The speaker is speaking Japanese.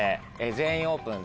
「全員オープン」